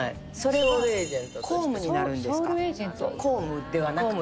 公務ではなくて。